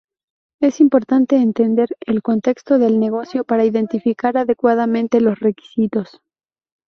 Es importante entender el contexto del negocio para identificar adecuadamente los requisitos.